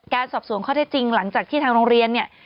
สอบสวนข้อเท็จจริงหลังจากที่ทางโรงเรียนเนี่ย